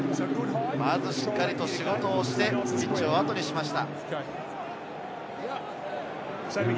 しっかり仕事をしてピッチを後にしました。